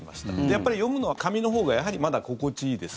やっぱり読むのは紙のほうがやはりまだ心地いいです。